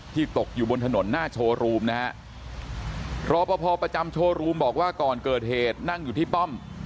ตกอยู่บนถนนหน้าโชว์รูมนะฮะรอปภประจำโชว์รูมบอกว่าก่อนเกิดเหตุนั่งอยู่ที่ป้อม